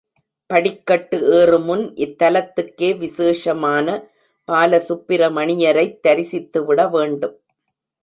படிக்கட்டு ஏறுமுன் இத்தலத்துக்கே விசேஷமான பாலசுப்பிரமணியரைத் தரிசித்து விட வேண்டும்.